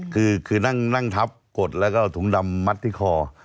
คือนั่งทับกดแล้วก็ถุงดำมัดที่คอ